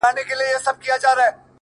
هلئ ځغلئ چي هلاک نه شئ يارانو!!